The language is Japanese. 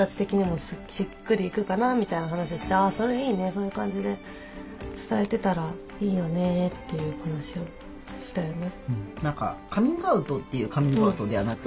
そういう感じで伝えてたらいいよねっていう話をしたよね。